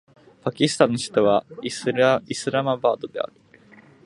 パキスタンの首都はイスラマバードである